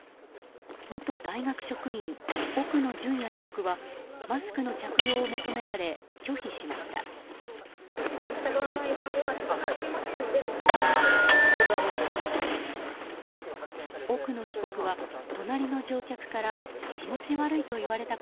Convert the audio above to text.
元大学職員、奥野淳也被告はマスクの着用を求められ拒否しました。